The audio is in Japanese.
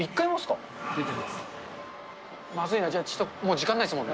まずいな、じゃあちょっと、もう時間ないですもんね。